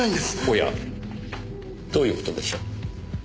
おやどういう事でしょう？